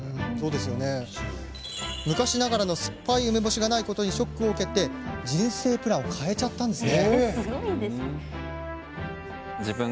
昔ながらの酸っぱい梅干しがないことにショックを受け人生プランを変えちゃったんです。